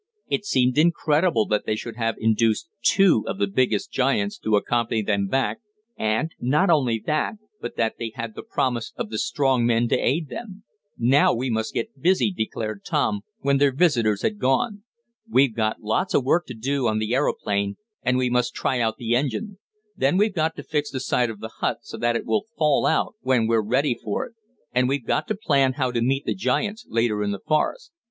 It seemed incredible that they should have induced two of the biggest giants to accompany them back, and, not only that, but that they had the promise of the strong men to aid them. "Now we must get busy," declared Tom, when their visitors had gone. "We've got lots of work to do on the aeroplane, and we must try out the engine. Then we've got to fix the side of the hut so it will fall out when we're ready for it. And we've got to plan how to meet the giants later in the forest."